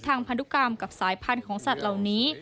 พันธุกรรมกับสายพันธุ์ของสัตว์เหล่านี้